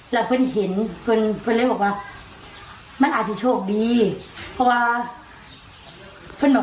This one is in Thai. แล้วเพื่อนเห็นเพื่อนเพื่อนเลยบอกว่ามันอาจจะโชคดีเพราะว่าเพื่อนบอก